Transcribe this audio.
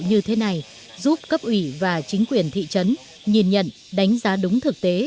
như thế này giúp cấp ủy và chính quyền thị trấn nhìn nhận đánh giá đúng thực tế